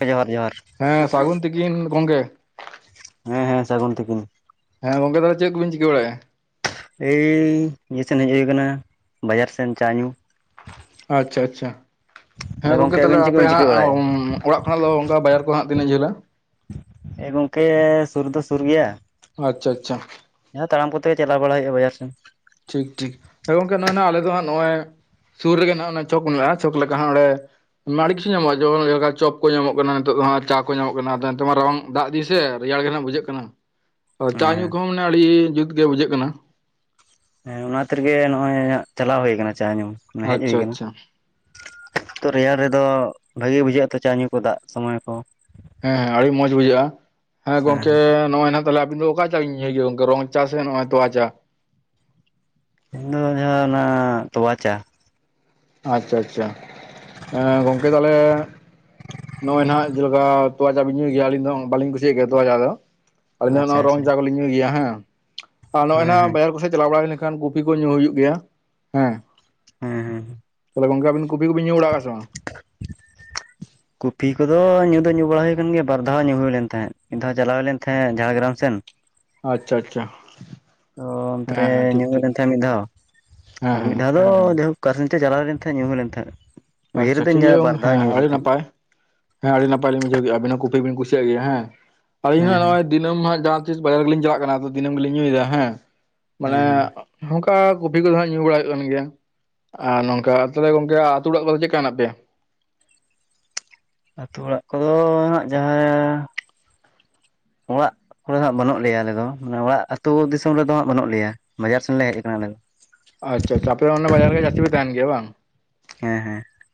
ᱡᱚᱦᱟᱨ ᱡᱚᱦᱟᱨ ᱦᱮᱸ ᱥᱟᱹᱜᱩᱱ ᱛᱤᱠᱤᱱ ᱜᱚᱝᱜᱮ ᱦᱮᱸ ᱦᱮᱸ ᱥᱟᱹᱜᱩᱱ ᱛᱤᱠᱤᱱ ᱦᱮᱸ ᱜᱚᱝᱠᱮ ᱛᱟᱦᱚᱞᱮ ᱪᱮᱜ ᱠᱚᱵᱤᱱ ᱪᱤᱠᱟᱹ ᱵᱟᱲᱟᱭᱟ? ᱮᱭ ᱱᱤᱭᱟᱹ ᱥᱮᱱ ᱦᱮᱡ ᱦᱩᱭ ᱠᱟᱱᱟ ᱵᱟᱡᱟᱨ ᱥᱮᱱ ᱪᱟ ᱧᱩ᱾ ᱟᱪᱪᱷᱟ ᱟᱪᱪᱷᱟ ᱛᱟᱦᱚᱞᱮ ᱦᱮᱸ ᱜᱚᱝᱠᱮ ᱛᱟᱦᱞᱮ ᱟᱵᱤᱱ ᱪᱮᱫ ᱟᱯᱮ ᱠᱚᱵᱤᱱ ᱪᱤᱠᱟᱹ ᱦᱟᱸᱜ ᱵᱟᱲᱟᱭᱮᱫᱼᱟ? ᱚᱲᱟᱜ ᱠᱷᱚᱱᱟᱜ ᱫᱚ ᱚᱝᱠᱟ ᱵᱟᱡᱟᱨ ᱠᱚ ᱦᱟᱸᱜ ᱛᱤᱱᱟᱹᱜ ᱡᱷᱟᱹᱞᱟ? ᱮᱸ ᱜᱚᱝᱠᱮ ᱥᱩᱨ ᱫᱚ ᱥᱩᱨ ᱜᱮᱭᱟ, ᱟᱪᱪᱷᱟ ᱟᱪᱪᱷᱟ ᱦᱮ ᱛᱟᱲᱟᱢ ᱠᱚᱛᱮ ᱜᱮ ᱪᱟᱞᱥᱣ ᱵᱟᱲᱟ ᱦᱩᱭᱩᱜ-ᱟ ᱵᱟᱡᱟᱨ ᱥᱮᱱ᱾ ᱴᱷᱤᱠ ᱴᱷᱤᱠ ᱦᱳᱭ ᱜᱚᱝᱠᱮ ᱱᱚᱜᱚᱱᱟ ᱟᱞᱮ ᱫᱚ ᱦᱟᱸᱜ ᱱᱚᱜ-ᱚᱭ ᱥᱩᱨ ᱨᱮᱜᱮ ᱱᱦᱟᱜ ᱚᱱᱟ ᱪᱚᱠ ᱢᱮᱱᱟᱜ-ᱟ ᱪᱚᱠ ᱞᱮᱠᱟ ᱦᱟᱸᱜ ᱚᱸᱰᱮ ᱟᱹᱰᱤ ᱠᱤᱪᱷᱩ ᱧᱟᱢᱚᱜ-ᱟ ᱡᱚᱢ ᱪᱚᱯ ᱠᱚ ᱧᱟᱢᱚᱜ ᱠᱟᱱᱟ ᱱᱤᱛᱳᱜ ᱫᱚ ᱦᱟᱸᱜ ᱪᱟ ᱠᱚ ᱧᱟᱢᱚᱜ ᱠᱟᱱᱟ ᱟᱫᱚ ᱱᱤᱛᱚᱜ ᱢᱟ ᱨᱟᱵᱟᱝ ᱫᱟᱜ ᱫᱤ ᱥᱮ ᱨᱮᱭᱟᱲ ᱜᱮ ᱱᱦᱟᱜ ᱵᱩᱡᱷᱟᱹᱜ ᱠᱟᱱᱟ, ᱪᱟ ᱧᱩ ᱦᱮᱸ ᱠᱚᱦᱚᱸ ᱢᱟᱱᱮ ᱟᱹᱲᱤ ᱡᱩᱛ ᱜᱮ ᱵᱩᱡᱷᱟᱹᱜ ᱠᱟᱱᱟ᱾ ᱦᱮᱸ ᱚᱱᱟ ᱛᱤᱨᱜᱮ ᱱᱚᱜ-ᱚᱭ ᱪᱟᱞᱟᱣ ᱦᱩᱭ ᱠᱟᱱᱟ ᱪᱟ ᱧᱩ ᱱᱮ ᱦᱮᱡ ᱦᱩᱭ ᱟᱪᱪᱷᱟ ᱠᱟᱱᱟ᱾ ᱟᱪᱪᱷᱟ ᱛᱚ ᱨᱮᱭᱟᱲ ᱨᱮᱫᱚ ᱵᱷᱟᱜᱤ ᱵᱩᱡᱷᱟᱹᱜ ᱟ ᱛᱚ ᱪᱟ ᱧᱩ ᱠᱚ ᱫᱟᱜ ᱥᱚᱢᱚᱭ ᱠᱚ᱾ ᱦᱮᱸ ᱦᱮᱸ ᱟᱲᱤ ᱢᱚᱸᱡᱽ ᱵᱩᱡᱷᱟᱹᱜ-ᱟ ᱦᱮᱸ ᱜᱚᱝᱠᱮ ᱱᱚᱜ-ᱚᱭ ᱱᱟᱜ ᱛᱟᱦᱚᱞᱮ ᱟᱵᱤᱱ ᱚᱠᱟ ᱪᱟ ᱵᱤᱱ ᱧᱩᱭ ᱜᱮᱭᱟ ᱜᱚᱝᱠᱮ ᱨᱚᱝ ᱪᱟ ᱥᱮ ᱱᱚᱣᱟ ᱛᱚᱣᱟ ᱪᱟ? ᱤᱧ ᱫᱚ ᱡᱟᱦᱟᱸ ᱚᱱᱟ ᱛᱚᱣᱟ ᱪᱟ᱾ ᱟᱪᱪᱷᱟ ᱟᱪᱪᱷᱟ ᱮ ᱜᱚᱝᱠᱮ ᱛᱟᱦᱞᱮ ᱱᱚᱜ-ᱚᱭ ᱱᱦᱟᱜ ᱡᱮᱞᱮᱠᱟ ᱛᱚᱣᱟ ᱪᱟ ᱵᱤᱱ ᱧᱩᱭ ᱜᱮᱭᱟ ᱟᱹᱞᱤᱧ ᱫᱚ ᱵᱟᱹᱞᱤᱧ ᱠᱩᱥᱤᱭᱟᱜ ᱜᱮᱭᱟ ᱛᱚᱣᱟ ᱪᱟ ᱫᱚ᱾ ᱟᱞᱤᱧ ᱫᱚ ᱟᱪᱪᱷᱟ ᱱᱚᱣᱟ ᱟᱪᱪᱷᱟ ᱨᱚᱝ ᱦᱮᱸ ᱪᱟ ᱵᱟᱹᱞᱤᱧ ᱧᱩᱭ ᱜᱮᱭᱟ ᱦᱮᱸ, ᱟᱨ ᱱᱚᱜ-ᱚᱭ ᱦᱮᱸ ᱱᱟ ᱵᱟᱡᱟᱨ ᱠᱚᱥᱮᱡ ᱪᱟᱞᱟᱣ ᱵᱟᱲᱟ ᱦᱩᱭ ᱞᱮᱝ ᱠᱟᱱ ᱠᱩᱯᱷᱤ ᱠᱚ ᱧᱩ ᱦᱩᱭᱩᱜ ᱜᱮᱭᱟ ᱦᱮᱸ ᱦᱮᱸ ᱦᱮᱸ ᱦᱮᱸ ᱛᱚᱵᱮ ᱜᱚᱝᱠᱮ ᱟᱹᱵᱤᱱ ᱠᱩᱯᱤ ᱠᱩᱵᱤᱱ ᱧᱩ ᱵᱟᱲᱟᱣ ᱟ ᱥᱮ ᱵᱟᱝ? ᱠᱩᱯᱷᱤ ᱠᱚᱫᱚ ᱧᱩ ᱫᱚ ᱧᱩ ᱵᱟᱲᱟ ᱦᱩᱭ ᱠᱟᱱ ᱜᱮᱭᱟ ᱵᱟᱨ ᱫᱷᱟᱣ ᱧᱩ ᱦᱩᱭ ᱞᱮᱱ ᱛᱟᱦᱮᱸᱫ ᱢᱤᱫ ᱫᱷᱟᱣ ᱪᱟᱞᱟᱣ ᱦᱩᱭ ᱞᱮᱱ ᱛᱟᱦᱮᱸᱫ ᱡᱷᱟᱲᱜᱨᱟᱢ ᱥᱮᱱ ᱟᱪᱪᱷᱟ ᱟᱪᱪᱷᱟ ᱛᱚ ᱚᱱᱛᱮ ᱦᱮᱸ ᱨᱮ ᱦᱮᱸ ᱴᱷᱤᱠ ᱧᱩ ᱦᱩᱭ ᱴᱷᱤᱠ ᱞᱮᱱ ᱛᱟᱦᱮ ᱢᱤᱫ ᱫᱷᱟᱣ ᱦᱮᱸ ᱟᱨ ᱢᱤᱫ ᱦᱮᱸ ᱫᱷᱟᱣ ᱫᱚ ᱡᱟᱭᱦᱳᱠ ᱠᱟ ᱥᱮᱱ ᱪᱚ ᱪᱟᱞᱟᱣ ᱞᱮᱱ ᱛᱟᱦᱮᱸᱜ ᱧᱩ ᱦᱩᱭ ᱞᱮᱱ ᱛᱟᱦᱮᱸᱜ᱾ ᱟᱪᱪᱷᱟ ᱴᱷᱤᱠ ᱜᱮᱭᱟ ᱜᱚᱝ ᱦᱮᱸ ᱟᱹᱰᱤ ᱱᱟᱯᱟᱭ ᱦᱮᱸ ᱟᱹᱰᱤ ᱱᱟᱯᱟᱭ ᱞᱤᱧ ᱵᱩᱡᱷᱟᱹᱣ ᱠᱮᱜ-ᱟ ᱟᱵᱤᱱ ᱦᱚᱸ ᱠᱩᱯᱤ ᱵᱤᱱ ᱠᱩᱥᱤᱭᱟᱜ ᱜᱮᱭᱟ ᱦᱮᱸ ᱟᱞᱤᱧ ᱦᱮᱸ ᱦᱚᱸ ᱦᱮᱸ ᱱᱚᱜᱼᱚᱭ ᱫᱤᱟᱹᱢ ᱦᱟᱸᱜᱟᱸ ᱡᱟᱦᱟ ᱛᱤᱥ ᱵᱟᱡᱟᱨ ᱜᱮᱞᱤᱧ ᱪᱟᱞᱟᱜ ᱠᱟᱱᱟ ᱟᱫᱚ ᱫᱤᱱᱟᱹᱢ ᱜᱮᱞᱤᱧ ᱧᱩᱭᱮᱫᱟ ᱦᱮᱸ ᱦᱮᱸ ᱢᱟᱱᱮ ᱦᱮᱸ ᱦᱚᱝᱠᱟ ᱠᱩᱯᱤ ᱠᱚᱫᱚ ᱦᱟ ᱧᱩ ᱵᱟᱲᱟ ᱦᱩᱭᱩᱜ ᱠᱟᱱ ᱜᱮᱭᱟ, ᱟᱨ ᱱᱚᱝᱠᱟ ᱛᱟᱦᱞᱮ ᱜᱚᱝᱠᱮ ᱟᱹᱛᱩ ᱚᱲᱟᱜ ᱠᱚᱨᱮ ᱪᱮᱫᱠᱟ ᱦᱮᱱᱟᱜ ᱯᱮᱭᱟ? ᱟᱹᱛᱩ ᱚᱲᱟᱜ ᱠᱚᱫᱚ ᱦᱟᱸᱜ ᱡᱟᱦᱟᱸ ᱚᱲᱟᱜ ᱠᱚᱨᱮ ᱫᱚ ᱦᱟᱸᱜ ᱵᱟᱹᱱᱩᱜ ᱞᱮᱭᱟ ᱟᱞᱮ ᱫᱚ ᱢᱚᱲᱟᱜ ᱟᱹᱛᱩ ᱫᱤᱥᱚᱢ ᱨᱮᱫᱚ ᱦᱟᱸᱜ ᱵᱟᱹᱱᱩᱜ ᱞᱮᱭᱟ ᱵᱟᱡᱟᱨ ᱥᱮᱱᱞᱮ ᱦᱮᱡ ᱟᱠᱟᱱᱟ ᱟᱞᱮ ᱫᱚ᱾ ᱟᱪᱪᱷᱟ ᱟᱪᱪᱷᱟ ᱟᱯᱮ ᱫᱚ ᱚᱱᱟ ᱵᱟᱡᱟᱨ ᱜᱮ ᱡᱟᱹᱥᱛᱤ ᱯᱮ ᱛᱟᱦᱮᱱ ᱜᱮᱭᱟ ᱵᱟᱝ?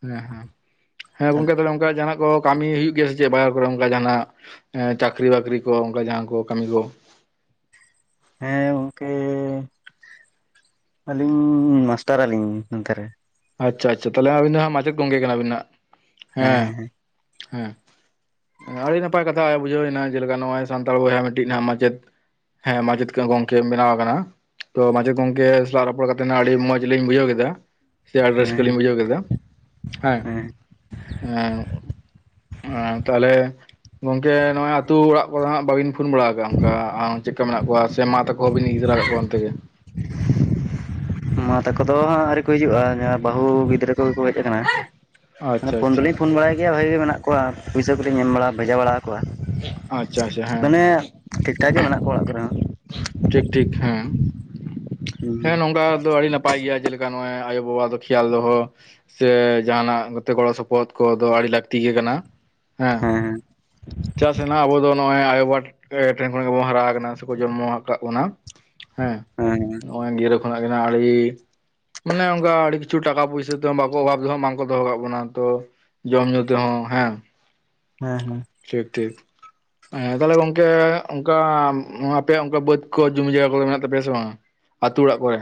ᱦᱮᱸ ᱦᱮᱸ ᱦᱮᱸ ᱜᱚᱝᱠᱮ ᱛᱟᱦᱚᱞᱚᱝ ᱚᱱᱠᱟ ᱡᱟᱦᱟᱱᱟᱜ ᱠᱚ ᱠᱟᱹᱢᱤ ᱦᱩᱭᱩᱜ ᱜᱮᱭᱟ ᱥᱮ ᱪᱮᱫ ᱵᱟᱡᱟᱨ ᱠᱚᱨᱮ ᱚᱱᱠᱟ ᱡᱟᱦᱟᱱᱟᱜ? ᱮᱸ ᱪᱟᱠᱨᱤ ᱵᱟᱠᱨᱤ ᱠᱚ ᱚᱱᱠᱟ ᱡᱟᱦᱟᱸ ᱠᱚ ᱠᱟᱹᱢᱤ ᱠᱚ ᱦᱮᱸ ᱜᱚᱝᱠᱮ ᱟᱹᱞᱤᱧ ᱢᱟᱥᱴᱟᱨᱟᱞᱤᱧ ᱱᱚᱛᱮ ᱨᱮ ᱟᱪᱪᱷᱟ ᱟᱪᱪᱷᱟ ᱛᱟᱦᱚᱞᱮ ᱟᱹᱵᱤᱱ ᱫᱚ ᱢᱟᱪᱮᱫ ᱜᱚᱝᱠᱮ ᱠᱟᱱᱟᱵᱤᱱ ᱦᱮᱸ ᱦᱮᱸ ᱦᱮ ᱟᱹᱰᱤ ᱱᱟᱯᱟᱭ ᱠᱟᱛᱷᱟ ᱵᱩᱡᱷᱟᱹᱣᱱᱟ ᱡᱮᱞᱮᱠᱟ ᱱᱚᱜᱼᱚᱭ ᱥᱟᱱᱛᱟᱲ ᱵᱚᱭᱦᱟ ᱢᱤᱫᱴᱤᱡ ᱱᱟ ᱢᱟᱪᱮᱫ ᱦᱮᱸ ᱢᱟᱡᱮᱛᱠᱟ ᱜᱚᱝᱠᱮ ᱵᱮᱱᱟᱣ ᱟᱠᱟᱱᱟ ᱛᱚ ᱢᱟᱪᱮᱫ ᱜᱚᱝᱠᱮ ᱥᱟᱞᱟᱜ ᱨᱚᱯᱚᱲ ᱠᱟᱛᱮᱫ ᱱᱟᱜ ᱟᱰᱤ ᱢᱚᱸᱡᱽ ᱞᱤᱧ ᱵᱩᱡᱷᱟᱹᱣ ᱠᱮᱫᱟ᱾ ᱥᱮ ᱟᱰᱤ ᱨᱟᱹᱥᱠᱟᱹ ᱦᱮᱸ ᱞᱤᱧ ᱵᱩᱡᱷᱟᱹᱣ ᱠᱮᱫᱟ ᱦᱮᱸ ᱮᱸ ᱟᱨ ᱛᱟᱦᱟᱞᱮ ᱜᱚᱝᱠᱮ ᱱᱚᱜᱚᱭ ᱟᱛᱩ ᱚᱲᱟᱜ ᱠᱚᱨᱮᱱᱟᱜ ᱵᱟᱵᱤᱱ ᱯᱷᱳᱱ ᱵᱟᱲᱟ ᱟᱠᱟᱫ ᱚᱱᱠᱟ ᱟ ᱪᱮᱫᱠᱟ ᱢᱮᱱᱟᱜ ᱠᱚᱣᱟ? ᱥᱮ ᱢᱟ ᱛᱟᱠ ᱠᱚᱦᱚᱸ ᱵᱤᱱ ᱤᱫᱤ ᱫᱟᱨᱟ ᱠᱟᱜ ᱠᱚᱣᱟ ᱚᱱᱛᱮᱜᱮ? ᱢᱟ ᱛᱟᱠᱚ ᱫᱚ ᱦᱟᱸᱜ ᱟᱹᱣᱨᱤ ᱠᱚ ᱦᱤᱡᱩᱜᱼᱟ ᱡᱟᱦᱟᱸ ᱵᱟᱦᱩ ᱜᱤᱫᱽᱨᱟᱹ ᱠᱩ ᱜᱮ ᱠᱚ ᱦᱮᱡ ᱟᱠᱟᱱᱟ ᱢᱟᱱᱮ ᱟᱪᱪᱷᱟ ᱯᱷᱳᱱ ᱟᱪᱪᱷᱟ ᱫᱚᱞᱤᱧ ᱯᱷᱳᱱ ᱵᱟᱲᱟᱭ ᱜᱮᱭᱟ ᱵᱷᱟᱜᱮ ᱢᱮᱱᱟᱜ ᱠᱚᱣᱟ ᱯᱩᱭᱥᱟᱹ ᱠᱚᱞᱤᱧ ᱮᱢ ᱵᱟᱲᱟ ᱵᱷᱮᱡᱟ ᱵᱟᱲᱟ ᱣᱟᱠᱚᱣᱟ᱾ ᱟᱪᱪᱷᱟ ᱟᱪᱪᱷᱟ ᱦᱮᱸ ᱦᱮᱸ ᱴᱷᱤᱠ ᱴᱷᱟᱠ ᱜᱮ ᱢᱮᱱᱟᱜ ᱠᱚᱣᱟ ᱚᱲᱟᱜ ᱠᱚᱨᱮ ᱦᱚᱸ ᱴᱷᱤᱠ ᱴᱷᱤᱠ ᱦᱮᱸ ᱦᱮᱸ ᱱᱚᱝᱠᱟ ᱫᱚ ᱟᱰᱤ ᱱᱟᱯ ᱯᱟᱭ ᱜᱮᱭᱟ ᱡᱮᱞᱮᱠᱟ ᱱᱚᱜᱼᱚᱭ ᱟᱭᱳ ᱵᱟᱵᱟ ᱫᱚ ᱠᱷᱮᱭᱟᱞ ᱫᱚᱦᱚ ᱥᱮ ᱡᱟᱦᱟᱱᱟᱜ ᱜᱟᱛᱮ ᱠᱚᱲᱟ ᱥᱚᱯᱚᱦᱚᱫ ᱠᱚ ᱫᱚ ᱟᱰᱤ ᱞᱟᱠᱛᱤ ᱜᱮ ᱠᱟᱱᱟ ᱦᱮᱸ ᱪᱟ ᱥᱮᱱᱟᱜ ᱟᱵᱚ ᱫᱚ ᱱᱚᱜᱼᱚᱭ ᱟᱭᱳᱵᱟᱵᱟ ᱴᱷᱮᱱ ᱠᱷᱚᱱ ᱜᱮᱵᱚᱱ ᱦᱟᱨᱟ ᱟᱠᱟᱱᱟ ᱥᱮᱠᱚ ᱡᱚᱱᱢᱚ ᱟᱠᱟᱫ ᱵᱚᱱᱟ ᱦᱮᱸ ᱱᱚᱜᱼᱚᱭ ᱜᱤᱨᱟᱹ ᱠᱷᱚᱱᱟᱜ ᱜᱮᱱᱟᱜ ᱟᱰᱤ ᱢᱟᱱᱮ ᱚᱱᱠᱟ ᱟᱰᱤ ᱠᱤᱪᱷᱩ ᱴᱟᱠᱟ ᱯᱩᱭᱥᱟ ᱛᱮ ᱵᱟᱠᱚ ᱚᱵᱷᱟᱵ ᱫᱚᱦᱚ ᱵᱟᱝᱠᱚ ᱫᱚᱦᱚ ᱠᱟᱜ ᱵᱚᱱᱟ ᱛᱚ ᱡᱚᱢ ᱧᱩ ᱛᱮᱦᱚᱸ ᱦᱮᱸ ᱦᱮᱸ ᱦᱮᱸ ᱴᱷᱤᱠ ᱴᱷᱤᱠ ᱮ ᱛᱟᱦᱚᱞᱮ ᱜᱚᱝᱠᱮ ᱚᱱᱠᱟ ᱟᱯᱮᱭᱟᱜ ᱚᱱᱠᱟ ᱵᱟᱹᱫ ᱠᱚ ᱡᱚᱢᱤ ᱡᱟᱭᱜᱟ ᱠᱚᱫᱚ ᱢᱮᱱᱟᱜ ᱛᱟᱯᱮᱭᱟ ᱥᱮ ᱵᱟᱝᱟ? ᱟᱛᱩ ᱚᱲᱟᱜ ᱠᱚᱨᱮ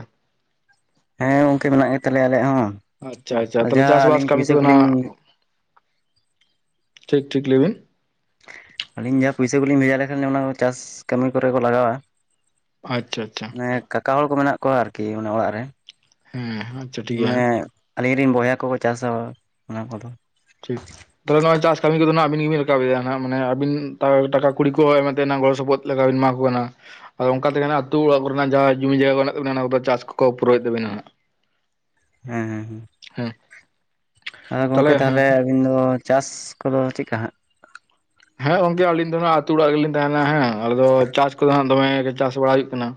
ᱦᱮᱸ ᱜᱚᱝᱠᱮ ᱢᱮᱱᱟᱜ ᱜᱮᱛᱟᱞᱮᱭᱟ ᱟᱞᱮᱭᱟᱜ ᱦᱚᱸ ᱟᱪᱪᱷᱟ ᱟᱪᱪᱷᱟ ᱛᱟᱦᱞᱮ ᱡᱟᱦᱟᱸ ᱪᱟᱥ ᱵᱟᱟᱥ ᱟᱹᱞᱤᱧ ᱠᱟᱢᱤ ᱯᱩᱭᱥᱟᱹ ᱠᱚᱫᱚ ᱱᱟᱜ ᱠᱚᱞᱤᱧ ᱴᱷᱤᱠ ᱴᱷᱤᱠ ᱞᱟᱹᱭᱵᱤᱱ ᱟᱹᱞᱤᱧ ᱡᱟᱦᱟᱸ ᱯᱩᱭᱥᱟᱹ ᱠᱚᱞᱤᱧ ᱵᱷᱮᱡᱟ ᱞᱮᱠᱷᱟᱱ ᱚᱱᱟ ᱠᱚ ᱪᱟᱥ ᱠᱟᱢᱤ ᱠᱚᱨᱮ ᱠᱚ ᱞᱟᱜᱟᱣᱟ ᱟᱪᱪᱷᱟ ᱟᱪᱪᱷᱟ ᱮᱜ ᱠᱟᱠᱟ ᱦᱚᱲ ᱠᱚ ᱢᱮᱱᱟᱜ ᱠᱚᱣᱟ ᱟᱨᱠᱤ ᱚᱱᱮ ᱚᱲᱟᱜ ᱨᱮ ᱦᱮᱸ ᱟᱪᱪᱷᱟ ᱴᱷᱤᱠ ᱜᱮᱭᱟ ᱢᱟᱱᱮ ᱟᱞᱤᱧ ᱨᱮᱱ ᱵᱚᱭᱦᱟ ᱠᱚᱠᱚ ᱪᱟᱥᱟ ᱚᱱᱟ ᱠᱚᱫᱚ ᱴᱷᱤᱠ ᱛᱚᱵᱮ ᱱᱚᱜᱚᱭ ᱪᱟᱥ ᱠᱟᱹᱢᱤ ᱠᱚᱫᱚᱱᱟᱜ ᱟᱵᱤᱱ ᱜᱮᱵᱤᱱ ᱨᱟᱠᱟ ᱮᱜ-ᱟ ᱱᱟᱜ ᱢᱟᱱᱮ ᱟᱵᱤᱱ ᱴᱟᱠᱟ ᱠᱩᱲᱤ ᱠᱚ ᱮᱢᱟᱛᱮᱱᱟ ᱜᱚᱲᱚ ᱥᱚᱯᱚᱦᱚᱫ ᱞᱟᱜᱟᱣ ᱵᱤᱱ ᱮᱢᱟ ᱠᱚ ᱠᱟᱱᱟ ᱟᱫᱚ ᱚᱱᱠᱟ ᱛᱮᱜᱮ ᱱᱟᱜ ᱟᱛᱩ ᱚᱲᱟᱜ ᱠᱚᱨᱮᱱᱟᱜ ᱡᱟᱦᱟᱸ ᱡᱚᱢᱤ ᱡᱟᱭᱜᱟ ᱠᱚ ᱢᱮᱱᱟᱜ ᱛᱟᱵᱤᱱᱟ ᱚᱱᱟ ᱠᱚᱫᱚ ᱪᱟᱥ ᱠᱚᱠᱚ ᱯᱩᱨᱟᱹᱣᱮᱫ ᱛᱟᱵᱤᱱᱟ ᱱᱟᱜ [inaudible] ᱦᱮᱸ ᱦᱮᱸ ᱦᱩᱸ ᱦᱮᱸ ᱮ ᱜᱚᱝᱠᱮ ᱛᱟᱦᱚᱞᱮ ᱟᱵᱤᱱ ᱫᱚ ᱪᱟᱥ ᱠᱚᱫᱚ ᱪᱮᱫᱠᱟ ᱦᱟᱸᱜ ᱦᱮᱸ ᱜᱚᱝᱠᱮ ᱟᱞᱤᱧ ᱫᱚ ᱱᱟᱜ ᱟᱛᱳ ᱚᱲᱟᱜ ᱨᱮᱜᱮᱞᱤᱧ ᱛᱟᱦᱮᱱᱟ ᱦᱮᱸ ᱟᱞᱮ ᱫᱚ ᱪᱟᱥ ᱠᱚᱫᱚ ᱦᱟᱜ ᱫᱚᱢᱮ ᱜᱮ ᱪᱟᱥ ᱵᱟᱲᱟ ᱦᱩᱭᱩᱜ ᱠᱟᱱᱟ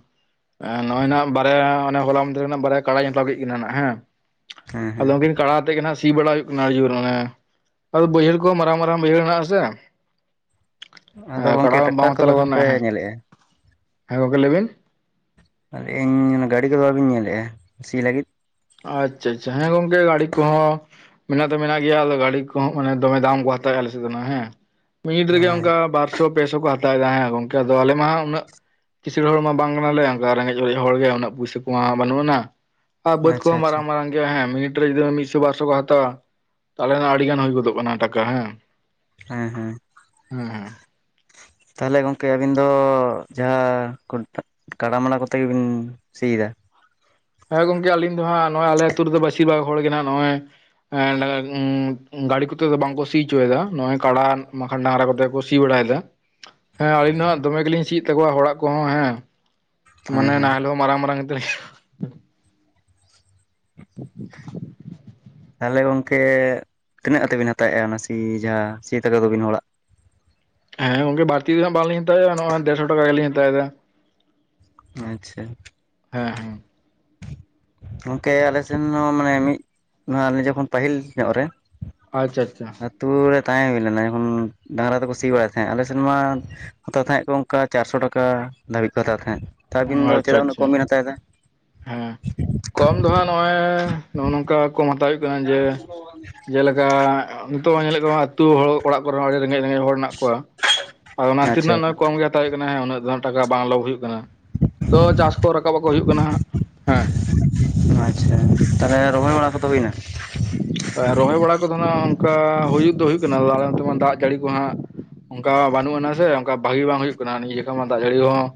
ᱱᱚᱜᱼᱚᱭ ᱱᱟᱜ ᱵᱟᱨᱭᱟ ᱚᱱᱮ ᱦᱚᱞᱟ ᱢᱟᱫᱷᱮᱨ ᱨᱮᱱᱟᱜ ᱵᱟᱨᱭᱟ ᱠᱟᱲᱟᱧ ᱦᱟᱛᱟᱣ ᱠᱮᱫ ᱠᱤᱱᱟ ᱱᱟᱦ ᱦᱮᱸ ᱦᱮᱸ ᱦᱮᱸ ᱟᱫᱚ ᱩᱱᱠᱤᱱ ᱠᱟᱲᱟ ᱟᱛᱮᱫ ᱜᱮ ᱱᱟᱜ ᱥᱤ ᱵᱟᱲᱟ ᱦᱩᱭᱩᱜ ᱠᱟᱱᱟ ᱟᱰᱤ ᱡᱳᱨ ᱚᱱᱮ ᱟᱫᱚ ᱵᱟᱹᱭᱦᱟᱹᱲ ᱠᱚ ᱢᱟᱨᱟᱝ ᱢᱟᱨᱟᱝ ᱵᱟᱹᱭᱦᱟᱹᱲ ᱦᱮᱱᱟᱜ ᱟ ᱥᱮ᱾ ᱟᱫᱚ ᱠᱟᱲᱟ ᱜᱚᱝᱠᱮ ᱵᱟᱢ ᱴᱨᱟᱠᱴᱟᱨ ᱦᱟᱛᱟᱣ ᱠᱚᱫᱚ ᱞᱮᱠᱷᱟᱱ ᱵᱟᱯᱮ ᱦᱮ ᱧᱮᱞᱮᱜᱼᱟ ᱦᱮᱸ ᱜᱚᱝᱠᱮ ᱞᱟᱹᱭ ᱵᱤᱱ᱾ ᱟ ᱞᱤᱧ ᱜᱟᱰᱤ ᱠᱚᱫᱚ ᱵᱟᱵᱤᱱ ᱧᱮᱞᱮᱫᱼᱟ, ᱥᱤ ᱞᱟᱜᱤᱫ? ᱟᱪᱪᱷᱟ ᱟᱪᱪᱷᱟ ᱦᱮᱸ ᱜᱚᱝᱠᱮ ᱜᱟᱲᱤ ᱠᱚᱦᱚᱸ ᱢᱮᱱᱟᱜ ᱫᱚ ᱢᱮᱱᱟᱜ ᱜᱮᱭᱟ ᱟᱫᱚ ᱜᱟᱲᱤ ᱠᱚᱦᱚᱸ ᱢᱟᱱᱮ ᱫᱚᱢᱮ ᱫᱟᱢ ᱠᱚ ᱦᱟᱛᱟᱣᱮᱜ-ᱟ ᱟᱞᱮ ᱥᱮᱫ ᱫᱚ ᱱᱟᱜ ᱦᱮᱸ ᱢᱤᱱᱤᱴ ᱨᱮᱜᱮ ᱦᱮᱸ ᱚᱱᱠᱟ ᱵᱟᱨ ᱥᱚ ᱯᱮᱥᱚ ᱠᱚ ᱦᱟᱛᱟᱣ ᱮᱫᱟ ᱦᱮᱸ ᱜᱚᱝᱠᱮ ᱟᱫᱚ ᱟᱞᱮ ᱢᱟ ᱦᱜ ᱩᱱᱟᱹᱜ ᱠᱤᱪᱥᱟᱹᱲ ᱦᱚᱲ ᱢᱟ ᱵᱟᱝ ᱠᱟᱱᱟᱞᱮ ᱚᱱᱠᱟ ᱨᱮᱸᱜᱮᱡ ᱚᱨᱮᱡ ᱦᱚᱲᱜᱮ ᱩᱱᱟᱹᱜ ᱯᱩᱭᱥᱟᱹ ᱠᱚᱢᱟ ᱵᱟᱱᱩᱜ ᱟᱱᱟ᱾ ᱟᱨ ᱵᱟᱹᱫᱽ ᱟᱪᱪᱷᱟ ᱟᱪᱪᱷᱟ ᱵᱟᱝ ᱜᱮ ᱦᱮᱸ ᱢᱤᱱᱤᱴ ᱨᱮ ᱡᱩᱫᱤ ᱢᱤᱫᱥᱚ ᱵᱟᱨᱥᱚ ᱠᱚ ᱦᱟᱛᱟᱣᱟ᱾ ᱛᱟᱞᱚᱞᱮ ᱱᱟᱜ ᱟᱰᱤ ᱜᱟᱱ ᱦᱩᱭ ᱜᱚᱫᱚᱜ ᱠᱟᱱᱟ ᱴᱟᱠᱟ ᱦᱮᱸ᱾ ᱦᱮᱸ ᱦᱮᱸ ᱦᱮᱸ ᱦᱮᱸ ᱛᱟᱦᱚᱞᱮ ᱜᱚᱝᱠᱮ ᱟᱵᱤᱱ ᱫᱚ ᱡᱟᱦᱟᱸ ᱠᱚᱱ ᱠᱟᱲᱟ ᱢᱟᱲᱟ ᱠᱚᱛᱮ ᱜᱮᱵᱤᱱ ᱥᱤᱭᱫᱟ᱾ ᱦᱮᱸ ᱜᱚᱝᱠᱮ ᱟᱹᱞᱤᱧ ᱫᱚ ᱦᱟᱸᱜ ᱱᱚᱜᱼᱚᱭ ᱟᱞᱮ ᱟᱹᱛᱩ ᱨᱮᱫᱚ ᱵᱟᱥᱤᱨ ᱵᱷᱟᱜ ᱦᱚᱲ ᱜᱮ ᱱᱟᱸᱜ ᱱᱚᱜᱼᱚᱭ ᱮᱸᱰ ᱜᱟᱲᱤ ᱠᱚᱛᱮ ᱫᱚ ᱵᱟᱝᱠᱚ ᱥᱤ ᱪᱚᱭᱮᱫᱟ ᱱᱚᱜ ᱚᱭ ᱠᱟᱲᱟ ᱰᱟᱝᱨᱟ ᱠᱟᱛᱮ ᱠᱚ ᱥᱤ ᱵᱟᱲᱟᱭᱮᱫᱟ᱾ ᱦᱮᱸ ᱟᱞᱤᱧ ᱫᱚ ᱦᱟᱸᱜ ᱫᱚᱢᱮ ᱜᱤᱞᱤᱧ ᱥᱤᱭᱮᱫ ᱛᱟᱠᱚᱣᱟ᱾ ᱦᱚᱲᱟᱜ ᱠᱚᱦᱚᱸ ᱦᱮᱸ ᱦᱮᱸ ᱢᱟᱱᱮ ᱦᱮᱸ ᱱᱟᱦᱮᱞ ᱦᱚᱸ ᱢᱟᱨᱟᱝ ᱢᱟᱨᱟᱝ ᱜᱮᱛ [inaudible] ᱛᱟᱦᱚᱞᱮ ᱜᱚᱝᱠᱮ ᱛᱤᱱᱟᱹᱜ ᱠᱟᱛᱮᱜ ᱵᱤᱱ ᱦᱟᱛᱟᱣᱮᱜᱼᱟ, ᱚᱱᱟ ᱥᱤ ᱡᱟᱦᱟᱸ ᱥᱤᱭᱮᱜ ᱛᱟᱠᱚ ᱫᱚᱵᱤᱱ ᱦᱚᱲᱟᱜ? ᱦᱮᱸ ᱜᱚᱝᱠᱮ ᱵᱟᱹᱲᱛᱤ ᱫᱚ ᱦᱟᱸᱜ ᱵᱟᱝᱞᱤᱧ ᱦᱟᱛᱟᱣᱮᱜᱼᱟ, ᱱᱚᱣᱟ ᱫᱮᱲᱥᱚ ᱴᱟᱠᱟ ᱜᱮᱞᱤᱧ ᱦᱟᱛᱟᱣᱮᱫᱟ᱾ ᱟᱪᱪᱷᱟ ᱦᱮᱸ ᱦᱮᱸ ᱜᱚᱝᱠᱮ ᱟᱞᱮ ᱥᱮᱱ ᱦᱚᱸ ᱢᱟᱱᱮ ᱢᱤᱜ ᱟᱞᱮ ᱡᱚᱠᱷᱚᱱ ᱯᱟᱹᱦᱤᱞ ᱧᱚᱜ ᱨᱮ ᱟᱪᱪᱷᱟ ᱟᱪᱪᱷᱟ ᱟᱹᱛᱩ ᱨᱮ ᱛᱟᱦᱮᱸ ᱦᱩᱭ ᱞᱮᱱᱟ᱾ ᱡᱚᱠᱷᱚᱱ ᱰᱟᱝᱨᱟ ᱛᱮᱠᱚ ᱥᱤ ᱵᱟᱲᱟᱭ ᱛᱟᱦᱮᱸᱜ ᱟ᱾ ᱟᱞᱮ ᱥᱮᱱ ᱢᱟ ᱦᱟᱛᱟᱣ ᱛᱟᱦᱮᱸᱜ ᱠᱚ ᱚᱝᱠᱟ ᱪᱟᱨᱥᱚ ᱴᱟᱠᱟ ᱫᱷᱟᱹᱵᱤᱡ ᱠᱚ ᱦᱟᱛᱟᱣ ᱛᱟᱦᱮᱸᱫ᱾ ᱛᱟ ᱟᱹᱵᱤᱱ ᱫᱚ ᱪᱮᱫᱟᱜ ᱩᱱᱟᱹᱜ ᱠᱚᱢ ᱵᱤᱱ ᱦᱟᱛᱟᱣᱮᱫᱟ? ᱦᱩᱸ ᱠᱚᱢ ᱫᱚ ᱦᱟᱸᱜ ᱱᱚᱜᱼᱚᱭ ᱱᱚᱜ ᱱᱚᱝᱠᱟ ᱠᱚ ᱦᱟᱛᱟᱣ ᱦᱩᱭᱩᱜ ᱠᱟᱱᱟ ᱡᱮ ᱡᱮᱞᱮᱠᱟ ᱱᱤᱛᱚᱜ ᱧᱮᱞᱮᱜ ᱠᱚᱭᱟ ᱟᱹᱛᱩ ᱦᱚᱲ ᱚᱲᱟᱜ ᱠᱚᱨᱮ ᱦᱚᱸ ᱟᱹᱰᱤ ᱨᱮᱸᱜᱮᱡ ᱨᱮᱸᱜᱮᱡ ᱦᱚᱲ ᱦᱮᱱᱟᱜ ᱠᱚᱣᱟ ᱟᱫᱚ ᱚᱱᱟ ᱟᱪᱪᱷᱟ ᱛᱤᱨᱱᱟᱹᱜ ᱱᱟᱜ ᱠᱚᱢ ᱜᱮ ᱛᱟᱣ ᱦᱩᱭᱩᱜ ᱠᱟᱱᱟ ᱦᱮᱸ ᱩᱱᱟᱹᱜ ᱫᱚ ᱴᱟᱠᱟ ᱵᱟᱝ ᱞᱚᱵ ᱦᱩᱭᱩᱜ ᱠᱟᱱᱟ ᱛᱚ ᱪᱟᱥ ᱠᱚ ᱨᱟᱠᱟᱵᱟᱠᱚ ᱦᱩᱭᱩᱜ ᱠᱟᱱᱟ ᱦᱮᱸ ᱟᱪᱪᱷᱟ ᱛᱟᱦᱞᱮ ᱨᱚᱦᱚᱭ ᱵᱟᱲᱟ ᱠᱚᱫᱚ ᱦᱩᱭ ᱱᱟ? ᱨᱚᱦᱚᱭ ᱵᱟᱲᱟ ᱠᱚᱫᱚ ᱱᱟᱸᱜ ᱚᱱᱠᱟ ᱦᱩᱭᱩᱜ ᱫᱚ ᱦᱩᱭᱩᱜ ᱠᱟᱱᱟ ᱟᱫᱚ ᱟᱞᱮ ᱚᱱᱛᱮ ᱢᱟ ᱫᱟᱜ ᱡᱟᱹᱲᱤ ᱠᱚ ᱦᱟᱸᱜ ᱚᱝᱠᱟ ᱵᱟᱹᱱᱩᱜ ᱟᱱᱟ ᱥᱮ ᱚᱝᱠᱟ ᱵᱷᱟᱜᱤ ᱵᱟᱝ ᱦᱩᱭᱩᱜ ᱠᱟᱱᱟ ᱱᱤᱭᱟᱹ ᱡᱚᱠᱷᱚᱡ ᱢᱟ ᱫᱟᱜ ᱡᱟᱹᱲᱤ ᱦᱚᱸ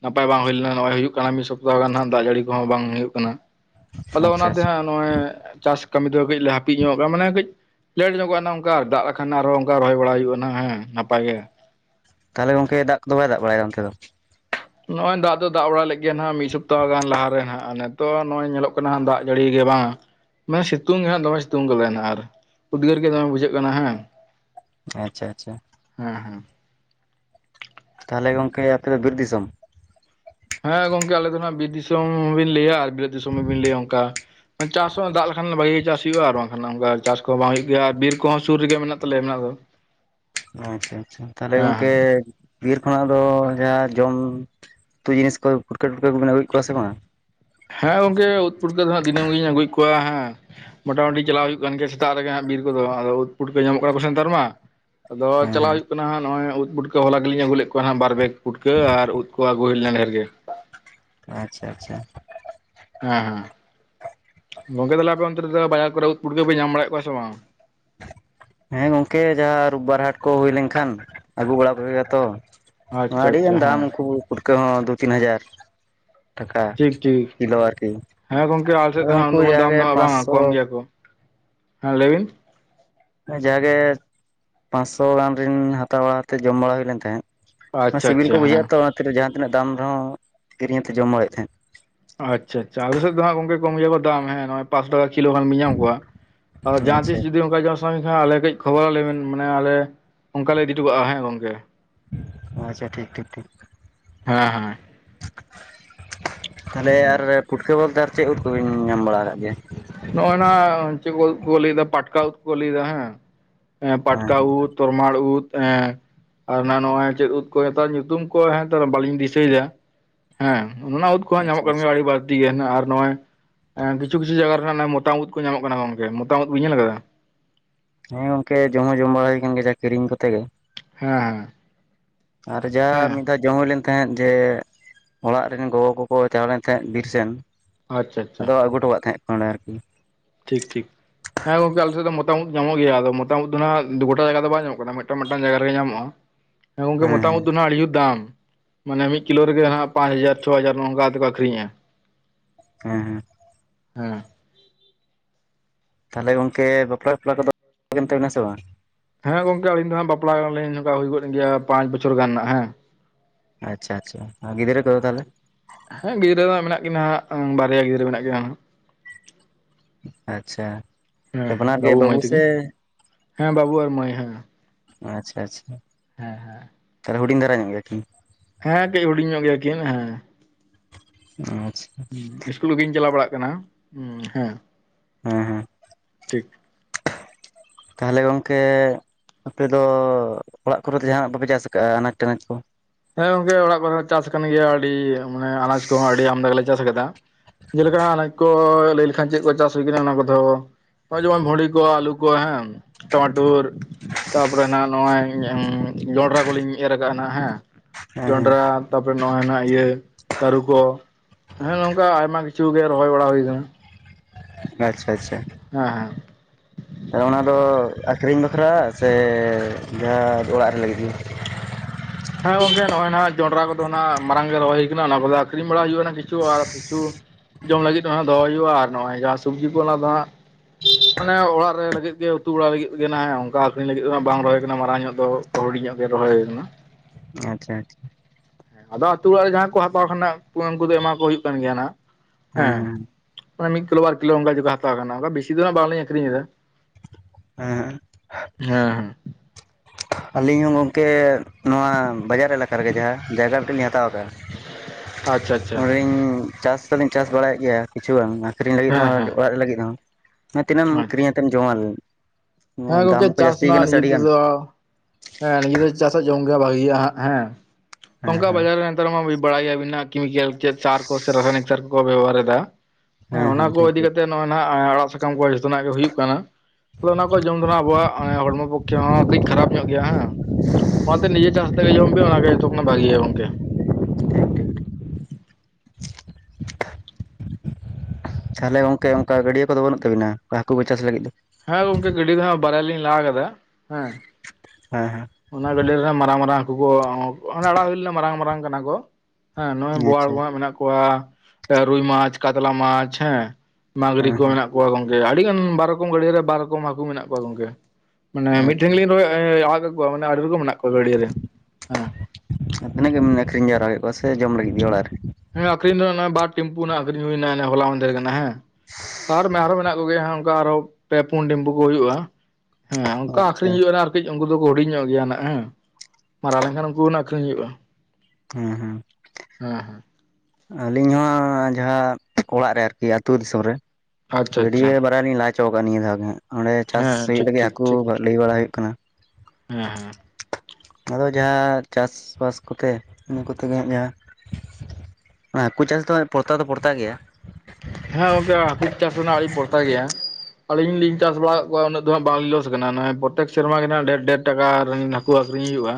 ᱱᱟᱯᱟᱭ ᱵᱟᱝ ᱦᱩᱭ ᱞᱮᱱᱟ ᱱᱚᱜᱼᱚᱭ ᱦᱩᱭᱩᱜ ᱠᱟᱱᱟ ᱢᱤᱫ ᱥᱚᱯᱛᱟᱦᱚ ᱜᱟᱱ ᱦᱟᱸᱜ ᱫᱟᱜ ᱡᱟᱹᱲᱤ ᱠᱚᱦᱚᱸ ᱵᱟᱝ ᱦᱩᱭᱩᱜ ᱠᱟᱱᱟ᱾ ᱟᱫᱚ ᱟᱪᱪᱷᱟ ᱚᱱᱟᱛᱮ ᱟᱪᱪᱷᱟ ᱦᱟᱸᱜ ᱱᱚᱜᱼᱚᱭ ᱪᱟᱥ ᱠᱟᱹᱢᱤ ᱫᱚ ᱠᱟᱹᱡ ᱞᱮ ᱦᱟᱹᱯᱤᱡ ᱧᱚᱜ ᱠᱟᱜᱼᱟ ᱢᱟᱱᱮ ᱠᱟᱹᱡ ᱞᱮᱴ ᱧᱚᱜᱚᱜᱼᱟ ᱱᱟ ᱚᱝᱠᱟ ᱫᱟᱜ ᱞᱮᱠᱷᱟᱱ ᱟᱨᱦᱚᱸ ᱚᱝᱠᱟ ᱨᱚᱦᱚᱭ ᱵᱟᱲᱟᱭ ᱦᱩᱭᱩᱜᱼᱟ ᱱᱟᱜ ᱦᱮᱸ ᱱᱟᱯᱟᱭ ᱜᱮ᱾ ᱛᱟᱦᱚᱞᱮ ᱜᱚᱝᱠᱮ ᱫᱟᱜ ᱠᱚᱫᱚ ᱵᱟᱭ ᱫᱟᱜ ᱵᱟᱲᱟᱭᱫᱟ ᱚᱱᱛᱮ ᱫᱚ᱾ ᱱᱚᱜᱼᱚᱭ ᱫᱟᱜ ᱫᱚ ᱫᱟᱜ ᱵᱟᱲᱟ ᱞᱮᱜ ᱜᱮᱭᱟ᱾ ᱱᱟᱜ ᱢᱤᱜ ᱥᱚᱯᱛᱟᱦᱚ ᱜᱟᱱ ᱞᱟᱦᱟᱨᱮ ᱦᱟᱸᱜ ᱱᱤᱛᱚᱜ ᱱᱚᱜᱼᱚᱭ ᱧᱮᱞᱚᱜ ᱠᱟᱱᱟ ᱫᱟᱜ ᱡᱟᱹᱲᱤ ᱜᱮ ᱵᱟᱝ᱾ ᱢᱟᱱᱮ ᱥᱤᱛᱩᱝ ᱜᱮ ᱦᱟᱜ ᱫᱚᱢᱮ ᱥᱤᱛᱩᱝ ᱠᱟᱫᱟᱭ ᱱᱟᱜ ᱟᱨ ᱩᱫᱽᱜᱟᱹᱨ ᱜᱮ ᱫᱚᱢᱮ ᱵᱩᱡᱷᱟᱹᱜ ᱠᱟᱱᱟ ᱦᱮᱸ᱾ ᱟᱪᱪᱷᱟ ᱟᱪᱪᱷᱟ ᱦᱩᱸ ᱦᱩᱸ ᱛᱟᱦᱚᱞᱮ ᱜᱚᱝᱠᱮ ᱟᱯᱮ ᱫᱚ ᱵᱤᱨ ᱫᱤᱥᱚᱢ? ᱦᱮᱸ ᱜᱚᱝᱠᱮ ᱟᱞᱮ ᱫᱚ ᱱᱟᱜ ᱵᱤᱨ ᱫᱤᱥᱚᱢ ᱵᱤᱱ ᱞᱮᱭᱟ ᱾ ᱵᱤᱞᱟᱹᱛ ᱫᱤᱥᱚᱢ ᱦᱚᱵᱤᱱ ᱞᱟᱹᱭᱟ᱾ ᱚᱝᱠᱟ ᱪᱟᱥ ᱦᱚᱜᱼᱚᱭ ᱪᱟᱥ ᱦᱚᱸ ᱫᱟᱜ ᱞᱮᱠᱷᱟᱱ ᱵᱷᱟᱜᱮ ᱜᱮ ᱪᱟᱥ ᱦᱩᱭᱩᱜᱼᱟ᱾ ᱟᱨᱚ ᱦᱟᱸᱜ ᱠᱷᱟᱱ ᱚᱝᱠᱟ ᱪᱟᱥ ᱠᱚᱦᱚᱸ ᱵᱟᱝ ᱦᱩᱭᱩᱜ ᱜᱮᱭᱟ ᱟᱨ ᱵᱤᱨ ᱠᱚᱦᱚᱸ ᱥᱩᱨ ᱨᱮᱜᱮ ᱢᱮᱱᱟᱜ ᱛᱟᱞᱮᱭᱟ ᱢᱮᱱᱟᱜ ᱫᱚ᱾ ᱟᱪᱪᱷᱟ ᱟᱪᱪᱷᱟ ᱛᱟᱦᱚᱞᱮ ᱦᱮᱸ ᱜᱚᱝᱠᱮ ᱦᱮᱸ ᱵᱤᱨ ᱠᱷᱚᱱᱟᱜ ᱫᱚ ᱡᱟᱦᱟᱸ ᱡᱚᱢ ᱩᱛᱩ ᱡᱤᱱᱤᱥ ᱠᱚ ᱯᱩᱴᱠᱟᱹ ᱴᱩᱴᱠᱟᱹ ᱠᱚᱵᱮᱱ ᱟᱹᱜᱩᱭᱮᱜ ᱠᱚᱣᱟ ᱥᱮ ᱵᱟᱝ-ᱟ? ᱦᱮᱸ ᱜᱚᱝᱠᱮ ᱩᱫ ᱯᱩᱴᱠᱟᱹ ᱫᱚ ᱦᱟᱸᱜ ᱫᱤᱱᱟᱹᱢ ᱜᱤᱧ ᱟᱹᱜᱩᱭᱮᱜ ᱠᱚᱣᱟ ᱦᱮᱸ ᱢᱚᱴᱟᱢᱩᱴᱤ ᱪᱟᱞᱟᱣ ᱦᱩᱭᱩᱜ ᱠᱟᱱ ᱜᱮᱭᱟ ᱥᱮᱼᱼ ᱥᱮᱛᱟᱜ ᱨᱮᱜᱮ ᱦᱟᱸᱜ ᱵᱤᱨ ᱠᱚᱫᱚ ᱟᱫᱚ ᱩᱫ ᱯᱩᱴᱠᱟᱹ ᱧᱟᱢᱚᱜ ᱠᱟᱱᱟ ᱠᱚ ᱥᱮ ᱱᱮᱛᱟᱨ ᱢᱟ ᱟᱫᱚ ᱦᱮᱸ ᱪᱟᱞᱟᱜ ᱦᱮᱸ ᱦᱩᱭᱩᱜ ᱠᱟᱱᱟ ᱠᱟᱱᱟ ᱱᱚᱜᱼᱚᱭ ᱩᱫ ᱯᱩᱴᱠᱟᱹ ᱦᱚᱞᱟ ᱜᱮᱞᱤᱧ ᱟᱹᱜᱩ ᱞᱮᱜ ᱠᱚᱣᱟ ᱱᱟᱜ ᱵᱟᱨ ᱵᱮᱜᱽ ᱯᱩᱴᱠᱟᱹ ᱟᱨ ᱩᱫ ᱠᱚ ᱟᱹᱜᱩ ᱦᱩᱭ ᱞᱮᱱᱟ ᱰᱷᱮᱨ ᱜᱮ᱾ ᱟᱪᱪᱷᱟ ᱟᱪᱪᱷᱟ᱾ ᱦᱟᱸ ᱦᱟᱸ ᱜᱚᱝᱠᱮ ᱛᱟᱦᱚᱞᱮ ᱟᱯᱮ ᱚᱱᱛᱮ ᱨᱮ ᱫᱚ ᱵᱟᱡᱟᱨ ᱠᱚᱨᱮ ᱩᱫ ᱯᱩᱴᱠᱟᱹ ᱯᱮ ᱧᱟᱢ ᱵᱟᱲᱮᱜ ᱠᱚᱣᱟ ᱥᱮ ᱵᱟᱝ? ᱦᱮᱸ ᱜᱚᱝᱠᱮ ᱡᱟᱦᱟᱸ ᱨᱳᱵ ᱵᱟᱨ ᱦᱟᱴ ᱠᱚ ᱦᱩᱭ ᱞᱮᱝᱠᱷᱟᱱ ᱟᱹᱜᱩ ᱵᱟᱲᱟ ᱠᱚᱜᱮᱭᱟ ᱛᱚ᱾ ᱟᱪᱪᱷᱟ ᱟᱪᱪᱷᱟ ᱟᱹᱰᱤᱜᱟᱱ ᱫᱟᱢ ᱦᱮᱸ ᱩᱝᱠᱩ ᱯᱩᱴᱠᱟᱹ ᱦᱚᱸ ᱫᱩ ᱛᱤᱱ ᱦᱟᱡᱟᱨ᱾ ᱴᱟᱠᱟ ᱴᱷᱤᱠ ᱴᱷᱤᱠ ᱠᱤᱞᱳ ᱟᱨᱠᱤ ᱦᱮᱸ ᱜᱚᱝᱠᱮ ᱟᱞᱮ ᱥᱮᱫ ᱟᱫᱚ ᱫᱚ ᱦᱟᱸᱜ ᱩᱱᱠᱩ ᱩᱱ ᱩᱱᱟᱹᱜ ᱫᱟᱢ ᱡᱟᱜᱮ ᱫᱚ ᱦᱟᱸᱜ ᱵᱟᱝᱟ ᱯᱟᱸᱥᱥᱚ ᱠᱚᱢ ᱜᱮᱭᱟ ᱠᱚ᱾ ᱦᱮᱸ ᱞᱟᱹᱭ ᱵᱤᱱ, ᱡᱟᱜᱮ ᱯᱟᱸᱥᱥᱚ ᱜᱟᱱ ᱨᱮᱱ ᱦᱟᱛᱟᱣ ᱵᱟᱲᱟᱛᱮᱜ ᱡᱚᱢ ᱵᱟᱲᱟ ᱦᱩᱭ ᱞᱮᱱ ᱛᱟᱦᱮᱸᱫ᱾ ᱟᱪᱪᱷᱟ ᱥᱤᱵᱤᱞ ᱠᱚ ᱟᱪᱪᱷᱟ ᱵᱩᱡᱷᱟᱹᱜᱼᱟ ᱦᱮᱸ ᱛᱚ ᱚᱱᱟᱛᱤᱨ ᱡᱟᱦᱟᱸ ᱛᱤᱱᱟᱹᱜ ᱫᱟᱢ ᱨᱮᱦᱚᱸ ᱠᱤᱨᱤᱧ ᱟᱛᱮᱜ ᱡᱚᱢ ᱵᱟᱲᱟᱭᱮᱜ ᱛᱟᱦᱮᱸᱫ᱾ ᱟᱪᱪᱷᱟ ᱟᱪᱷᱟ ᱟᱞᱮ ᱥᱮᱫ ᱫᱚ ᱦᱟᱸᱜ ᱜᱚᱝᱠᱮ ᱠᱚᱢ ᱜᱮᱭᱟ ᱠᱚ ᱫᱟᱢ ᱦᱮᱸ ᱱᱚᱜᱼᱚᱭ᱾ ᱯᱟᱸᱥ ᱴᱟᱠᱟ ᱠᱤᱞᱳ ᱜᱟᱱ ᱵᱤᱱ ᱧᱟᱢ ᱠᱚᱣᱟ ᱟᱫᱚ ᱡᱟᱦᱟᱸ ᱟᱪᱪᱷᱟ ᱛᱤᱥ ᱡᱩᱫᱤ ᱚᱝᱠᱟ ᱡᱚᱢᱼᱼ ᱥᱟᱱᱟ ᱵᱮᱱ ᱠᱷᱟᱱ ᱟᱞᱮ ᱠᱟᱹᱡ ᱠᱷᱚᱵᱚᱨ ᱟᱞᱮ ᱵᱮᱱ ᱢᱟᱱᱮ ᱟᱞᱮᱼᱼ ᱚᱝᱠᱟ ᱞᱮ ᱤᱫᱤᱴᱚ ᱠᱟᱜᱼᱟ ᱦᱮᱸ ᱜᱚᱝᱠᱮ ᱟᱪᱪᱷᱟ ᱴᱷᱤᱠ ᱴᱷᱤᱠ ᱴᱷᱤᱠ ᱦᱮᱸ ᱦᱮᱸ᱾ ᱛᱟᱦᱚᱞᱮ ᱟᱨ ᱯᱷᱩᱴᱠᱟᱹ ᱵᱟᱯᱫᱷᱟᱨ ᱪᱮᱫ ᱩᱫ ᱠᱚᱵᱤᱱ ᱧᱟᱢ ᱵᱟᱲᱟ ᱟᱠᱟᱫ ᱜᱮᱭᱟ? ᱱᱚᱜᱼᱭ ᱱᱟ ᱪᱮᱫ ᱠᱚ ᱩᱫ ᱠᱚ ᱞᱟᱹᱭᱫᱟ ᱯᱟᱴᱠᱟ ᱩᱫ ᱠᱚᱠᱚ ᱞᱟᱹᱭᱮᱫᱟ ᱦᱮᱸ᱾ ᱦᱮᱸ ᱯᱟᱴᱠᱟ ᱩᱫ ᱛᱚᱨᱢᱟᱲ ᱩᱫ ᱮᱸᱼᱼᱼ ᱟᱨ ᱱᱟ ᱱᱚᱜ-ᱚᱭ ᱪᱮᱫ ᱩᱫ ᱠᱚ ᱢᱮᱛᱟᱜ ᱱᱮᱛᱟᱨ ᱧᱩᱛᱩᱢ ᱠᱚ ᱦᱮᱸ ᱱᱮᱛᱟᱨ ᱫᱚ ᱵᱟᱞᱤᱧ ᱫᱤᱥᱟᱹᱭᱮᱫᱟ᱾ ᱦᱮᱸ ᱚᱱᱟ ᱩᱫ ᱠᱚᱦᱚᱸ ᱟᱪᱪᱷᱟ ᱧᱟᱢᱚᱜ ᱠᱟᱱ ᱜᱮᱭᱟ ᱟᱪᱪᱷᱟ ᱟᱹᱰᱤ ᱵᱟᱹᱲᱛᱤ ᱜᱮ ᱟᱨ ᱱᱚᱜᱼᱚᱭ ᱠᱤᱪᱷᱩ ᱠᱤᱪᱼᱼ ᱠᱤᱪᱷᱩ ᱡᱟᱜᱟ ᱨᱮᱱᱟᱜ ᱚᱱᱟ ᱢᱚᱛᱟᱢ ᱩᱛ ᱠᱚ ᱧᱟᱢᱚᱜ ᱠᱟᱱᱟ ᱜᱚᱝᱠᱮ ᱢᱚᱛᱟᱢ ᱩᱛ ᱵᱤᱱ ᱧᱮᱞ ᱟᱠᱟᱫᱟ? ᱦᱮᱸ ᱜᱚᱝᱠᱮ ᱡᱚᱢ ᱦᱚᱸ ᱡᱚᱢ ᱵᱟᱲᱟ ᱦᱩᱭ ᱟᱠᱟᱱ ᱜᱮᱭᱟ ᱡᱟ ᱠᱤᱨᱤᱧ ᱠᱚᱛᱮ ᱜᱮ᱾ ᱦᱮᱸ ᱦᱮᱸ᱾ ᱟᱨ ᱡᱟ ᱦᱮᱸ ᱢᱤᱫᱼᱼ ᱫᱷᱟᱹᱣ ᱡᱚᱢ ᱦᱩᱭ ᱞᱮᱱ ᱛᱟᱦᱮᱸᱜ ᱡᱮ ᱚᱲᱟᱜ ᱨᱮᱱ ᱜᱚᱜᱚ ᱠᱚᱠᱚ ᱪᱟᱞᱟᱣ ᱞᱮᱱ ᱛᱟᱦᱮᱸᱜ ᱵᱤᱨ ᱥᱮᱱ᱾ ᱟᱪᱪᱷᱟ ᱟᱪᱪᱷᱟ ᱟᱫᱚ ᱟᱹᱜᱩ ᱦᱚᱴᱚ ᱠᱟᱜ ᱛᱟᱦᱮᱸᱫ ᱠᱚ ᱱᱚᱸᱰᱮ ᱟᱨᱠᱤ᱾ ᱴᱷᱤᱠ ᱴᱷᱤᱠ᱾ ᱦᱮᱸ ᱜᱚᱝᱠᱮ ᱟᱞᱮᱥᱮᱫ ᱫᱚ ᱢᱚᱛᱟᱢ ᱩᱫ ᱧᱟᱢᱚᱜ ᱜᱮᱭᱟ ᱟᱫᱚ ᱢᱚᱛᱟᱢ ᱩᱫ ᱫᱚ ᱱᱟᱦᱟᱜ ᱟᱫᱚ ᱜᱚᱴᱟ ᱡᱟᱜᱟ ᱨᱮᱫᱚ ᱵᱟᱭ ᱧᱟᱢᱚᱜ ᱠᱟᱱᱟ ᱢᱤᱫᱴᱟᱝ ᱢᱤᱫᱴᱟᱝ ᱡᱟᱭᱜᱟ ᱨᱮᱜᱮ ᱧᱟᱢᱚᱜᱼᱟ᱾ ᱦᱮᱸ ᱜᱚᱢᱠᱮ ᱢᱚᱛᱟᱢ ᱩᱫ ᱫᱚ ᱦᱟᱸᱜ ᱟᱹᱰᱤ ᱡᱩᱨ ᱫᱟᱢ᱾ ᱢᱟᱱᱮ ᱢᱤᱫ ᱠᱤᱞᱳ ᱨᱮᱜᱮ ᱱᱟᱦᱟᱜ ᱯᱟᱸᱪ ᱦᱟᱡᱟᱨ ᱪᱷᱚ ᱦᱟᱡᱟᱨ ᱱᱚᱜ ᱱᱚᱝᱠᱟ ᱦᱟᱛᱮᱠᱚ ᱟᱹᱠᱷᱨᱤᱧᱟ᱾ ᱦᱮᱸ ᱦᱮᱸ᱾ ᱦᱚᱸ ᱛᱟᱦᱚᱞᱮ ᱜᱚᱝᱠᱮ ᱵᱟᱯᱞᱟ ᱵᱟᱯᱞᱟ ᱠᱚᱫᱚ ᱦᱩᱭᱮᱱ ᱛᱟᱵᱮᱱᱟ ᱥᱮ ᱵᱟᱝ? ᱦᱮᱸ ᱜᱚᱝᱠᱮ ᱟᱹᱞᱤᱧ ᱫᱚ ᱦᱟᱸᱜ ᱵᱟᱯᱞᱟ ᱦᱟᱠᱟᱱᱟᱞᱤᱧ ᱱᱚᱝᱠᱟ ᱦᱩᱭ ᱜᱚᱫ ᱤᱱ ᱜᱮᱭᱟ ᱯᱟᱸᱪ ᱵᱚᱪᱷᱚᱨ ᱜᱟᱱ ᱦᱮᱸ᱾ ᱟᱪᱪᱷᱟ ᱟᱪᱪᱷᱟ ᱟᱨ ᱜᱤᱫᱽᱨᱟᱹ ᱠᱚᱫᱚ ᱛᱟᱦᱚᱞᱮ, ᱦᱮᱸ ᱜᱤᱫᱽᱨᱟᱹ ᱫᱚ ᱦᱟᱸᱜ ᱢᱮᱱᱟᱜ ᱠᱤᱱᱟ ᱦᱟᱸᱜ ᱵᱟᱨᱭᱟ ᱜᱤᱫᱽᱨᱟᱹ ᱢᱮᱱᱟᱜ ᱠᱤᱱᱟ ᱦᱟᱸᱜ᱾ ᱟᱪᱪᱷᱟ ᱦᱮᱸ ᱦᱮᱸ ᱵᱟᱱᱟᱨ ᱜᱮ ᱵᱟᱹᱵᱩ ᱢᱟᱹᱭ ᱥᱮ ᱛᱤᱠᱤᱱ ᱦᱮᱸ ᱵᱟᱹᱵᱩ ᱟᱨ ᱢᱟᱹᱭ ᱦᱮᱸ ᱟᱪᱪᱷᱟ ᱟᱪᱪᱷᱟ ᱦᱮᱸ ᱦᱮᱸ ᱛᱟᱦᱚᱞᱮ ᱦᱩᱰᱤᱧ ᱫᱷᱟᱨᱟ ᱧᱚᱜ ᱜᱮᱭᱟ ᱠᱤᱱ᱾ ᱦᱮᱸ ᱠᱟᱹᱡ ᱦᱩᱰᱤᱧ ᱧᱚᱜ ᱜᱮᱭᱟᱠᱤᱱ ᱦᱮᱸ᱾ ᱟᱪᱪᱷᱟ᱾ ᱤᱥᱠᱩᱞ ᱠᱚᱠᱤᱱ ᱪᱟᱞᱟᱣ ᱵᱟᱲᱟᱜ ᱠᱟᱱᱟ ᱦᱮᱸ᱾ ᱦᱮᱸ ᱦᱮᱸ᱾ ᱴᱷᱤᱠ ᱛᱟᱦᱚᱞᱮ ᱜᱚᱝᱠᱮ ᱟᱯᱮ ᱫᱚ ᱚᱲᱟᱜ ᱠᱚᱨᱮ ᱫᱚ ᱡᱟᱦᱟᱱᱟᱜ ᱠᱚ ᱵᱟᱯᱮ ᱪᱟᱥ ᱟᱠᱟᱜᱼᱟ ᱟᱱᱟᱡᱽ ᱴᱱᱟᱡᱽ ᱠᱚ? ᱦᱮᱸ ᱜᱚᱝᱠᱮ ᱚᱲᱟᱜ ᱠᱚᱨᱮ ᱫᱚ ᱪᱟᱥ ᱟᱠᱟᱱ ᱜᱮᱭᱟ ᱟᱹᱰᱤ, ᱢᱟᱱᱮ ᱟᱱᱟᱡᱽ ᱠᱚᱦᱚᱸ ᱟᱹᱰᱤ ᱟᱢᱫᱟ ᱜᱮᱞᱮ ᱪᱟᱥ ᱟᱠᱟᱫᱟ ᱾ ᱡᱮᱞᱮᱠᱟ ᱟᱱᱟᱡᱽ ᱠᱚ ᱞᱟᱹᱭ ᱞᱮᱠᱷᱟᱱ ᱪᱮᱫ ᱠᱚ ᱪᱟᱥ ᱦᱩᱭ ᱠᱟᱱᱟ ᱚᱱᱟ ᱠᱚᱫᱚᱼᱼ ᱱᱚᱜᱼᱚᱭ ᱡᱮᱢᱚᱱ ᱵᱷᱩᱸᱰᱤ ᱠᱚ, ᱟᱞᱩ ᱠᱚ, ᱦᱮᱸᱼᱼ ᱴᱟᱢᱟᱴᱩᱨ, ᱛᱟᱯᱚᱨᱮ ᱱᱟᱜ ᱱᱚᱜᱼᱚᱭ ᱮᱸ ᱡᱚᱸᱰᱨᱟ ᱠᱚᱞᱤᱧ ᱮᱨ ᱟᱠᱟᱜᱼᱟ ᱱᱟᱜ ᱦᱮᱸ ᱾ ᱦᱮᱸ ᱡᱚᱱᱰᱨᱟ ᱛᱟᱯᱚᱨᱮ ᱱᱚᱜᱼᱚᱭ ᱱᱟᱜ ᱤᱭᱟᱹᱼᱼ ᱥᱟᱹᱨᱩ ᱠᱚ, ᱦᱮᱸ ᱱᱚᱝᱠᱟ ᱟᱭᱢᱟ ᱠᱤᱪᱷᱩ ᱜᱮ ᱨᱚᱦᱚᱭ ᱵᱟᱲᱟ ᱦᱩᱭ ᱱᱟ ᱾ ᱟᱪᱪᱷᱟ ᱟᱪᱪᱷᱟ ᱟᱪᱪᱷᱟ ᱾ ᱦᱮᱸ ᱦᱮᱸ ᱚᱱᱟ ᱫᱚ ᱟᱹᱠᱷᱨᱤᱧ ᱵᱟᱠᱷᱨᱟ ᱥᱮ ᱡᱟᱦᱟᱸ ᱚᱲᱟᱜ ᱨᱮ ᱞᱟᱹᱜᱤᱫ ᱜᱮ? ᱦᱮᱸ ᱜᱚᱝᱠᱮ ᱱᱚᱜᱼᱚᱭ ᱱᱟᱦᱟᱜ ᱡᱚᱱᱰᱨᱟ ᱠᱚᱫᱚ ᱱᱟᱦᱟᱜ ᱢᱟᱨᱟᱝ ᱜᱮ ᱨᱚᱦᱚᱭ ᱦᱩᱭ ᱟᱠᱟᱱᱟ, ᱚᱱᱟ ᱠᱚᱫᱚ ᱟᱹᱠᱷᱨᱤᱧ ᱵᱟᱲᱟ ᱦᱩᱭᱩᱜᱼᱟ ᱱᱟᱜ ᱾ ᱠᱤᱪᱷᱩ ᱟᱨ ᱯᱤᱪᱷᱩ ᱡᱚᱢ ᱞᱟᱹᱜᱤᱫ ᱫᱚᱦᱟᱸᱜ ᱫᱚᱦᱚ ᱦᱩᱭᱩᱜᱼᱟ, ᱟᱨ ᱱᱚᱜᱼᱚᱭ ᱡᱟᱦᱟᱸ ᱥᱚᱵᱽᱡᱤ ᱠᱚ ᱚᱱᱟ ᱫᱚ ᱦᱟᱸᱜᱼᱼ ᱚᱱᱮ ᱚᱲᱟᱜ ᱨᱮ ᱞᱟᱹᱜᱤᱫ ᱜᱮ ᱩᱹᱛᱩ ᱵᱟᱲᱟ ᱞᱟᱹᱜᱤᱫ ᱜᱮ ᱦᱟᱸᱜ ᱚᱱᱠᱟ ᱟᱹᱠᱷᱨᱤᱧ ᱞᱟᱹᱜᱤᱫ ᱫᱚ ᱵᱟᱝ ᱨᱚᱦᱚᱭ ᱠᱟᱱᱟ ᱢᱟᱨᱟᱝ ᱧᱚᱜ ᱫᱚ ᱦᱩᱰᱤᱧ ᱧᱚᱜᱼᱼ ᱜᱮ ᱨᱚᱦᱚᱭ ᱦᱩᱭ ᱠᱟᱱᱟ ᱾ ᱟᱪᱪᱷᱟ ᱟᱪᱪᱷᱟ ᱟᱫᱚ ᱟᱹᱛᱩ ᱚᱲᱟᱜ ᱨᱮ ᱡᱟᱦᱟᱸᱭ ᱠᱚ ᱦᱟᱛᱟᱣ ᱠᱷᱟᱱ ᱩᱱᱠᱩ ᱫᱚ ᱮᱢᱟ ᱠᱚ ᱦᱩᱭᱩᱜ ᱠᱟᱱ ᱜᱮᱭᱟ ᱱᱟᱜ ᱦᱮᱸ ᱾ ᱢᱟᱱᱮ ᱢᱤᱫ ᱠᱤᱞᱳ ᱵᱟᱨ ᱠᱤᱞᱳ ᱚᱱᱠᱟ ᱡᱩᱫᱤ ᱠᱚ ᱦᱟᱛᱟᱣ ᱠᱷᱟᱱ ᱱᱟᱜ ᱚᱱᱠᱟ ᱵᱮᱥᱤ ᱫᱚᱱᱷᱟᱜ ᱵᱟᱝᱞᱤᱧ ᱟᱹᱠᱷᱨᱤᱧ ᱮᱫᱟ ᱾ ᱦᱮᱸ ᱦᱮᱸ ᱦᱮᱸ [inaudible] ᱟᱹᱞᱤᱧ ᱦᱚᱸ ᱜᱚᱝᱠᱮᱼᱼ ᱱᱚᱣᱟ ᱵᱟᱡᱟᱨ ᱮᱞᱟᱠᱟ ᱨᱮᱜᱮ ᱡᱟᱦᱟᱸ ᱡᱟᱭᱜᱟ ᱢᱤᱫᱴᱮᱱ ᱞᱤᱧ ᱦᱟᱛᱟᱣ ᱟᱠᱟᱫᱼᱟᱼᱼ ᱟᱪᱪᱷᱟ ᱟᱪᱪᱷᱟ ᱱᱚᱸᱰᱮᱞᱤᱧ ᱪᱟᱥ ᱫᱚᱞᱤᱧ ᱪᱟᱥ ᱵᱟᱲᱟᱭᱮᱫ ᱜᱮᱭᱟ, ᱠᱤᱪᱷᱩ ᱜᱟᱱ ᱟᱠᱷᱨᱤᱧ ᱞᱟᱹᱜᱤᱫ ᱦᱚᱸ ᱦᱮᱸ ᱟᱨ ᱦᱮᱸ ᱚᱲᱟᱜ ᱨᱮ ᱞᱟᱹᱜᱤᱫ ᱦᱚᱸ ᱾ ᱦᱮᱸ ᱛᱤᱱᱟᱹᱜ ᱮᱢ ᱟᱪᱪᱷᱟ ᱠᱤᱨᱤᱧ ᱟᱛᱮᱢ ᱡᱚᱢᱟ, ᱦᱮᱸ ᱫᱟᱢ ᱜᱚᱝᱠᱮ ᱠᱚ ᱪᱟᱥ ᱡᱟᱹᱥᱛᱤ ᱨᱮᱱᱟᱜ ᱟᱠᱟᱱᱟ ᱥᱮ ᱱᱤᱡᱮ ᱟᱹᱰᱤ ᱜᱟᱱ ᱾ ᱛᱮᱫᱚ ᱦᱮᱸ ᱱᱤᱡᱮ ᱫᱚ ᱪᱟᱥᱟᱜ ᱡᱚᱢ ᱜᱮ ᱵᱷᱟᱜᱤᱭᱼᱟ ᱦᱟᱸᱜ, ᱦᱮᱸ ᱦᱮᱸ ᱚᱱᱠᱟ ᱦᱮᱸ ᱵᱟᱡᱟᱨ ᱨᱮᱱᱼᱼ ᱱᱮᱛᱟᱨ ᱢᱟ ᱵᱟᱲᱟᱭ ᱜᱮᱭᱟᱵᱤᱱ ᱠᱮᱢᱤᱠᱮᱞ ᱪᱮ ᱥᱟᱨ ᱠᱚ ᱥᱮ ᱨᱟᱥᱟᱭᱱᱤᱠ ᱥᱟᱨ ᱠᱚ ᱵᱮᱵᱚᱦᱟᱨᱮᱫᱟ ᱾ ᱦᱮᱸ, ᱚᱱᱟ ᱠᱚ ᱤᱫᱤ ᱠᱟᱛᱮ ᱱᱚᱜᱼᱚᱭ ᱱᱟᱜ, ᱟᱲᱟᱜ ᱥᱟᱠᱟᱢ ᱠᱚ ᱡᱚᱛᱚᱱᱟᱜ ᱜᱮ ᱦᱩᱭᱩᱜ ᱠᱟᱱᱟ ᱾ ᱛᱟᱦᱚᱞᱮ ᱚᱱᱟ ᱠᱚ ᱡᱚᱢ ᱫᱚ ᱟᱵᱚᱣᱟᱜ ᱮᱸ ᱦᱚᱲᱢᱚ ᱯᱚᱠᱠᱷᱮ ᱦᱚᱸ ᱠᱟᱹᱡ ᱠᱷᱟᱨᱟᱯ ᱧᱚᱜ ᱜᱮᱭᱟ ᱦᱮᱸ ᱾ ᱚᱱᱟᱛᱮ ᱱᱤᱡᱮ ᱪᱟᱥ ᱛᱮᱜᱮ ᱡᱚᱢ ᱵᱮᱱ, ᱚᱱᱟ ᱜᱮ ᱡᱚᱛᱚ ᱠᱷᱚᱱᱟᱜ ᱵᱷᱟᱜᱮᱭᱟ ᱜᱚᱝᱠᱮ ᱾ ᱛᱟᱦᱚᱞᱮ ᱜᱚᱝᱠᱮ ᱚᱱᱠᱟ ᱜᱟᱹᱰᱭᱟᱹ ᱠᱚᱫᱚ ᱵᱟᱹᱱᱩᱜ ᱛᱟᱹᱵᱤᱱᱟ ᱦᱟᱹᱠᱩ ᱠᱚ ᱪᱟᱥ ᱞᱟᱹᱜᱤᱫ ᱫᱚ? ᱦᱮᱸ, ᱜᱚᱝᱠᱮ ᱜᱟᱹᱰᱤᱭᱟᱹ ᱫᱚ ᱦᱟᱸᱜ ᱵᱟᱨᱭᱟ ᱞᱤᱧ ᱞᱟ ᱟᱠᱟᱫᱟ, ᱦᱮᱸ ᱾ ᱦᱮᱸ ᱦᱮᱸ ᱾ ᱚᱱᱟ ᱜᱟᱹᱰᱤᱭᱟᱹᱨᱮ ᱢᱟᱨᱟᱝ ᱢᱟᱨᱟᱝ ᱦᱟᱹᱠᱩ ᱠᱚ, ᱚᱱᱟ ᱟᱲᱟᱜ ᱦᱩᱭᱱᱟ ᱢᱟᱨᱟᱝ ᱢᱟᱨᱟᱝ ᱠᱟᱱᱟ ᱠᱚ ᱾ ᱦᱮᱸ, ᱱᱚᱜᱼᱚᱭ ᱵᱳᱣᱟᱲ ᱟᱪᱪᱷᱟ ᱦᱟᱸᱜ ᱢᱮᱱᱟᱜ ᱠᱚᱣᱟ, ᱨᱩᱭ ᱢᱟᱪᱷ, ᱠᱟᱛᱞᱟ ᱢᱟᱪᱷ ᱦᱮᱸ ᱾ ᱢᱤᱜᱽᱨᱤ ᱦᱮᱸ ᱠᱚ ᱦᱮᱸ ᱢᱮᱱᱟᱜ ᱠᱚᱣᱟ ᱜᱚᱝᱠᱮ, ᱟᱹᱰᱤ ᱜᱟᱱ ᱵᱟᱨ ᱨᱚᱠᱚᱢ ᱜᱟᱹᱰᱭᱟᱹ ᱨᱮ ᱵᱟᱨ ᱨᱚᱠᱚᱢ ᱦᱟᱹᱠᱩ ᱢᱮᱱᱟᱜ ᱠᱚᱣᱟ ᱜᱚᱝᱠᱮ ᱾ ᱢᱟᱱᱮ ᱢᱤᱫᱴᱷᱮᱱ ᱟᱪᱪᱷᱟ ᱞᱤᱧ ᱨᱚᱭ [inaudible] ᱟᱲᱟᱜ ᱠᱟᱜ ᱠᱚᱣᱟ ᱢᱟᱱᱮ ᱟᱹᱰᱤ ᱨᱚᱠᱚᱢ ᱢᱮᱱᱟᱜ ᱠᱚᱣᱟ ᱜᱟᱹᱰᱤᱭᱟᱨᱮ, ᱦᱮᱸ ᱾ ᱛᱤᱱᱟᱹᱜ ᱜᱮᱵᱤᱱ ᱟᱹᱠᱷᱨᱤᱧ ᱡᱟᱣᱨᱟ ᱠᱮᱫ ᱠᱚᱣᱟ ᱥᱮ ᱡᱚᱢ ᱞᱟᱹᱜᱤᱫ ᱜᱮ ᱚᱲᱟᱜ ᱨᱮ? ᱦᱮᱸ, ᱟᱹᱠᱷᱨᱤᱧ ᱫᱚ ᱵᱟᱨ ᱴᱮᱢᱯᱩ ᱚᱱᱟ ᱜᱟ, ᱰᱭᱟᱹ ᱨᱮᱱᱟᱜ ᱟᱹᱠᱷᱨᱤᱧ ᱦᱩᱭᱮᱱᱟ ᱦᱚᱞᱟ ᱢᱟᱫᱷᱮᱨ ᱜᱮ ᱱᱟᱜ ᱦᱮᱸ, ᱟᱨ ᱦᱚᱸ ᱢᱮᱱᱟᱜ ᱠᱚ ᱜᱮᱭᱟ ᱾ ᱟᱨᱚ ᱯᱮ ᱯᱩᱱ ᱴᱮᱢᱯᱩ ᱠᱚ ᱦᱩᱭᱩᱜᱼᱟ, ᱦᱮᱸ ᱚᱱᱠᱟ ᱟᱪᱪᱷᱟ ᱟᱹᱠᱷᱨᱤᱧ ᱦᱩᱭᱩᱜᱼᱟ ᱱᱟᱜ ᱾ ᱠᱟᱹᱡ ᱩᱱᱠᱩ ᱫᱚᱠᱚ ᱦᱩᱰᱤᱧ ᱧᱚᱜ ᱜᱮᱭᱟ ᱱᱟᱜ ᱦᱮᱸ, ᱢᱟᱨᱟᱝ ᱞᱮᱱᱠᱷᱟᱱ ᱩᱱᱠᱩ ᱱᱟᱜ ᱟᱹᱠᱷᱨᱤᱧ ᱦᱩᱭᱩᱜᱼᱟ ᱾ ᱦᱩᱸ ᱦᱩᱸ ᱾ ᱦᱳᱭ ᱦᱮᱸ [unintelligible] ᱟᱹᱞᱤᱧ ᱦᱚᱸ ᱡᱟᱦᱟᱸ ᱚᱲᱟᱜ ᱨᱮ ᱟᱨᱠᱤ ᱟᱹᱛᱩ ᱫᱤᱥᱚᱢ ᱨᱮ, ᱟᱪᱪᱷᱟ ᱟᱪᱪᱷᱟ ᱜᱟᱹᱰᱭᱟᱹᱼᱼ ᱲᱟᱜ [unintelligible] ᱞᱤᱧ ᱞᱟ ᱦᱚᱪᱚ ᱟᱠᱟᱜ ᱱᱤᱭᱟᱹ ᱫᱷᱟᱹᱣ ᱚᱸᱰᱮ ᱪᱟᱥ ᱦᱮᱸ ᱦᱩᱭᱩᱜ ᱴᱷᱤᱠ ᱞᱟᱹᱜᱤᱫ ᱴᱷᱤᱠ ᱦᱟᱹᱠᱩ ᱴᱷᱤᱠ ᱞᱟᱹᱭ ᱵᱟᱲᱟ ᱦᱩᱭᱩᱜ ᱠᱟᱱᱟ ᱾ ᱦᱮᱸ ᱦᱮᱸ ᱾ ᱟᱫᱚ ᱡᱟᱦᱟᱸ ᱪᱟᱥᱵᱟᱥ ᱠᱚᱛᱮ, ᱤᱱᱟᱹ ᱠᱚᱛᱮ ᱜᱮ ᱦᱟᱸᱜ ᱡᱟᱦᱟᱸ ᱾ ᱦᱟᱹᱠᱩ ᱪᱟᱥ ᱫᱚ ᱯᱚᱲᱛᱟ ᱫᱚ ᱯᱚᱲᱛᱟ ᱜᱮᱭᱟ ᱾ ᱦᱮᱸ, ᱜᱚᱢᱠᱮ ᱦᱟᱹᱠᱩ ᱪᱟᱥ ᱨᱮᱱᱟᱜ ᱟᱹᱰᱤ ᱯᱚᱲᱛᱟ ᱜᱮᱭᱟ ᱾ ᱟᱹᱞᱤᱧ ᱞᱤᱧ ᱪᱟᱥ ᱵᱟᱲᱟ ᱠᱚᱣᱟ ᱩᱱᱟᱹᱜ ᱫᱚ ᱦᱟᱸᱜ ᱵᱟᱝᱞᱤᱧ ᱞᱚᱥ ᱟᱠᱟᱱᱟ, ᱱᱚᱜᱼᱚᱭ ᱯᱨᱚᱛᱛᱮᱠ ᱥᱮᱨᱢᱟ ᱜᱮ ᱦᱟᱸᱜ ᱰᱷᱮᱨ ᱰᱷᱮᱨ ᱴᱟᱠᱟ ᱨᱮᱱ ᱦᱟᱹᱠᱩᱼᱼ ᱦᱟᱹᱠᱩ ᱟᱹᱠᱷᱨᱤᱧ ᱦᱩᱭᱩᱜᱼᱟ ᱾